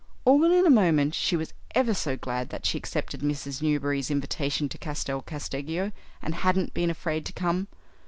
All in a moment she was ever so glad that she accepted Mrs. Newberry's invitation to Castel Casteggio and hadn't been afraid to come.